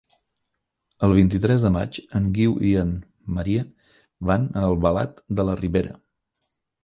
El vint-i-tres de maig en Guiu i en Maria van a Albalat de la Ribera.